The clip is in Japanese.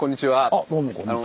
あっどうもこんにちは。